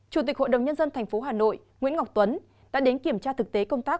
chủ tịch hội đồng nhân dân tp hà nội nguyễn ngọc tuấn đã đến kiểm tra thực tế công tác